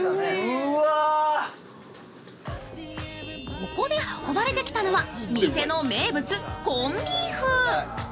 ここで運ばれてきたのは店の名物、コンビーフ。